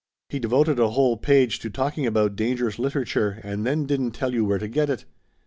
He devoted a whole page to talking about dangerous literature and then didn't tell you where to get it.